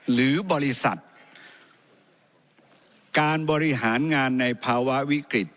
หรือบริษัทการบริหารงานในภาวะวิกฤต